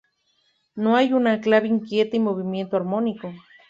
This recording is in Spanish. No hay una clave inquieta y movimiento armónico.